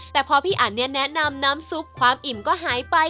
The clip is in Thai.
แต่พอพี่อันเนี่ยแนะนำน้ำซุปความอิ่มก็หายไป